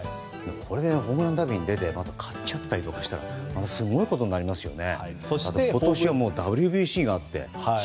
これでホームランダービーに出て勝っちゃったりしたらまたすごいことになりますよね。